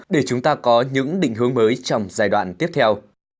để chúng ta có những định hướng mới trong giai đoạn tiếp theo